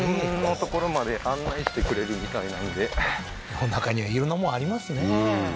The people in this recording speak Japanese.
世の中には色んなもんありますねうん